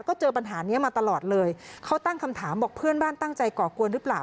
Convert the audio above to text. ก็เจอปัญหานี้มาตลอดเลยเขาตั้งคำถามบอกเพื่อนบ้านตั้งใจก่อกวนหรือเปล่า